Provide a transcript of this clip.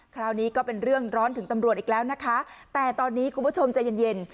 คราวนี้ก็เป็นเรื่องร้อนถึงตำรวจอีกแล้วนะคะแต่ตอนนี้คุณผู้ชมใจเย็นเย็น